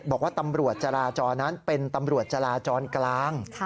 บอกว่าตำรวจจราจรนั้นเป็นตำรวจจราจรกลาง